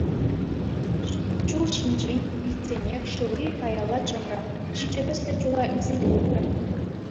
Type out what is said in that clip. Чул ҫинчен илтсенех Шыври каялла чӑмрӗ — ҫичӗ тӗслӗ чула илсе те тухрӗ.